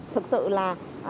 thực sự là